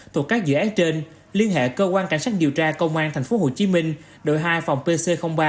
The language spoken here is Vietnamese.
thuộc các dự án trên liên hệ cơ quan cảnh sát điều tra công an tp hcm đội hai phòng pc ba